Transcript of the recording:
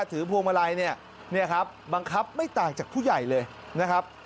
ถือพวงมาลัยบังคับไม่ต่างจากผู้ใหญ่เลยนะครับ